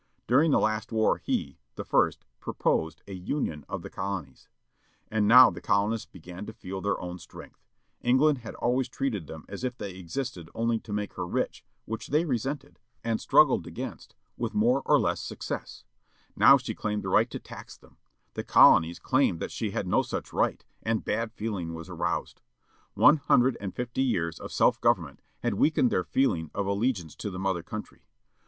During the last war he, the first, proposed a Union of the colonies. And now the colonists began to feel their own strength. England had always treated them as if they existed only to make her rich, which they resented, and 19 PATRICK HENRY, "GIVE ME LIBERTY OR GIVE ME death" 20 THE BOSTON TEA PARTY, 1773 iSu^ JOIN, o, DIE struggled against, with more or less success. Now she claimed the right to tax them. The colonies claimed that she had no such right, and bad feeling was aroused. One hundred and fifty years of self government had weakened their feeling of alle giance to the mother country.